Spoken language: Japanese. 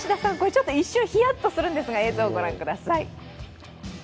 ちょっと一瞬ヒヤッとするんですが、映像ご覧ください。